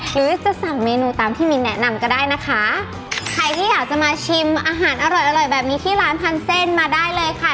หรือจะสั่งเมนูตามที่มินแนะนำก็ได้นะคะใครที่อยากจะมาชิมอาหารอร่อยอร่อยแบบนี้ที่ร้านพันเส้นมาได้เลยค่ะ